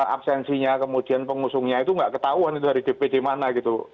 absensinya kemudian pengusungnya itu nggak ketahuan itu dari dpd mana gitu